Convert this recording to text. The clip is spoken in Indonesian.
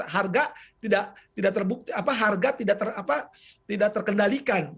harga tidak terbukti apa harga tidak terkendalikan